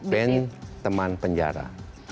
band teman penjara